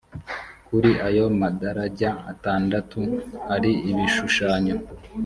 kuri ayo madarajya atandatu hari ibishushanyo